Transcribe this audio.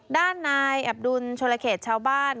ด้านนายอับดุลชนเขตชาวบ้าน